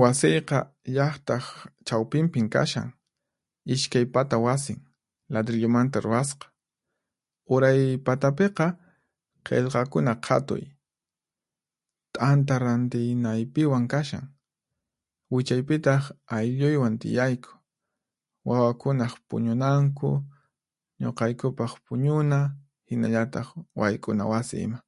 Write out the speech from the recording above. Wasiyqa llaqtaq chawpinpin kashan. Ishkay pata wasin, ladrillumanta ruwasqa. Uray patapiqa Qhillqakuna Qhatuy, t'anta rantiynaypiwan kashan. Wichaypitaq aylluywan tiyayku. Wawakunaq puñunanku, nuqaykupaq puñuna, hinallataq wayk'una wasi ima.